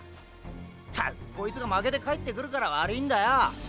ったくこいつが負けて帰ってくるから悪りィーんだよ！